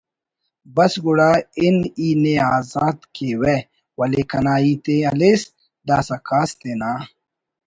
بس گڑا ہِن ای نے آزات کیوہ ولے کنا ہیت ءِ ہلیس داسہ کاس تینا